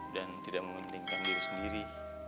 dan tidak mengpentingkan diri sendiri